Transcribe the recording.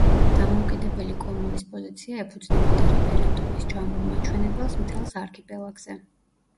დამოუკიდებელი კომორის პოზიცია ეფუძნებოდა რეფერენდუმის ჯამურ მაჩვენებელს მთელ არქიპელაგზე.